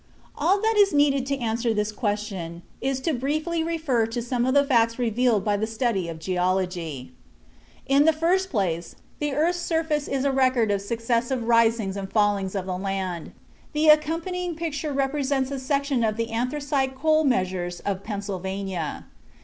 All that is needed to answer this question is to briefly refer to some of the facts revealed by the study of geology. In the first place, the earth's surface is a record of successive risings and fallings of the land. The accompanying picture represents a section of the anthracite coal measures of Pennsylvania.